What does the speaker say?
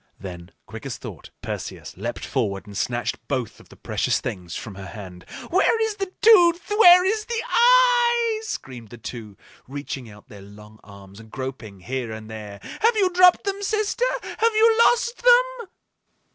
Then, quick as thought, Perseus leaped forward and snatched both of the precious things from her hand. "Where is the tooth? Where is the eye?" screamed the two, reaching out their long arms and groping here and there. "Have you dropped them, sister? Have you lost them?"